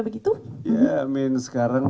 begitu ya i mean sekarang